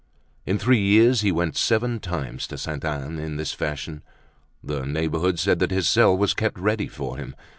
In three years he went seven times to Sainte Anne in this fashion. The neighborhood said that his cell was kept ready for him.